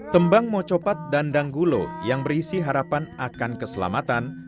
tembang mocopat dan danggulo yang berisi harapan akan keselamatan